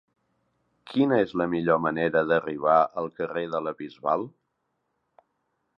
Quina és la millor manera d'arribar al carrer de la Bisbal?